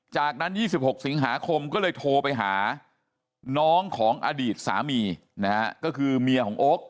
จากนั้น๒๖สิงหาคมก็เลยโทรไปหาน้องของอดีตสามีนะฮะก็คือเมียของโอ๊ค